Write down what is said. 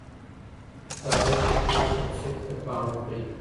د تاریخ د پیښو تفصیل ته پام وکړئ.